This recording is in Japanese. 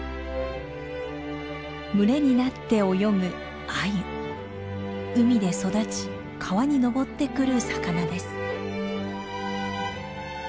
群れになって泳ぐ海で育ち川に上ってくる魚です。